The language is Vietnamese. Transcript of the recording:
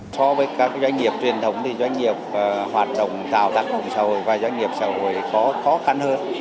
so với các doanh nghiệp truyền thống thì doanh nghiệp hoạt động tạo tác động xã hội và doanh nghiệp xã hội có khó khăn hơn